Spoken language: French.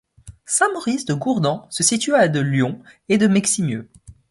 Saint-Maurice-de-Gourdans se situe à de Lyon et de Meximieux.